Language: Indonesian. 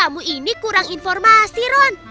kamu ini kurang informasi ron